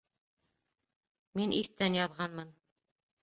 Мин иҫтән яҙғанмын